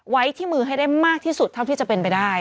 ไว้ที่มือให้ได้มากที่สุดเท่าที่จะเป็นไปได้